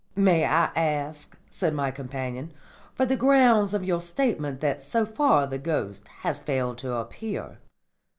"May I ask," said my companion, "for the grounds of your statement that so far the ghost has failed to appear?"